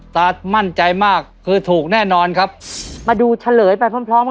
ตามั่นใจมากคือถูกแน่นอนครับมาดูเฉลยไปพร้อมพร้อม